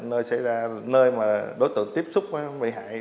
nơi xảy ra nơi mà đối tượng tiếp xúc với bị hại